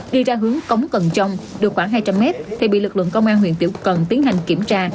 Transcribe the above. đi ra hướng cống cần trông được khoảng hai trăm linh mét thì bị lực lượng công an huyện tiểu cần tiến hành kiểm tra